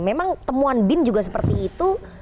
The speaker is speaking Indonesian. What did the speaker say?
memang temuan bin juga seperti itu